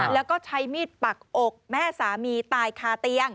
แล้วก็ใช้มีดปักอกแม่สามีตายคาเตียง